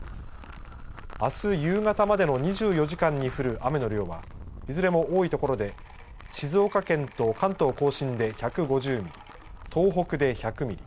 あす夕方までの２４時間に降る雨の量はいずれも多い所で静岡県と関東甲信で１５０ミリ東北で１００ミリ